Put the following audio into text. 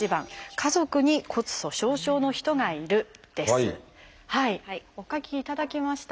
次にお書きいただきましたか？